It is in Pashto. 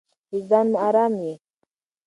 وجدان مو ارام وي.